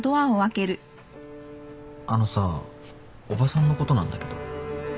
あのさおばさんのことなんだけど。